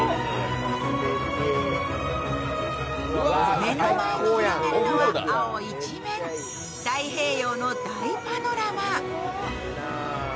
目の前に広がるのは青一面、太平洋の大パノラマ。